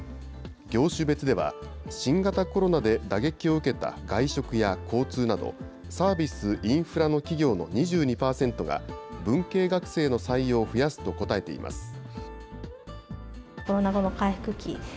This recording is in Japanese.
業種別では、新型コロナで打撃を受けた外食や交通など、サービス・インフラの企業の２２％が、文系学生の採用を増やすと答えています。